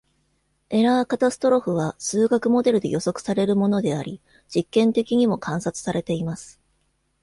エラーカタストロフは、数学モデルで予測されるものであり、実験的にも観察されています。